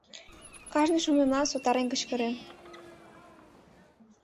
Кажне шумемлан сотарен кычкырем: